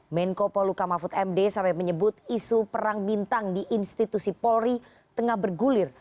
menko poluka mahfud md sampai menyebut isu perang bintang di institusi polri tengah bergulir